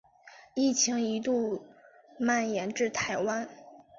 疫情一度蔓延至台湾。